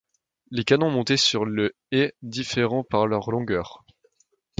Les canons montés sur le et diffèrent par leur longueur.